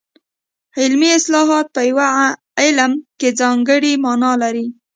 علمي اصطلاحات په یو علم کې ځانګړې مانا لري